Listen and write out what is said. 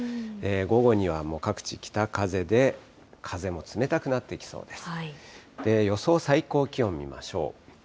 午後にはもう、各地、北風で、風も冷たくなっていきそうです。